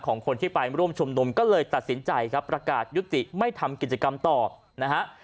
ของคนที่ไปร่วมชุมนุมก็เลยตัดสินใจครับประกาศยุติไม่ทำกิจกรรมต่อนะฮะ